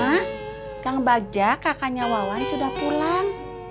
mak kang bagja kakaknya wawan sudah pulang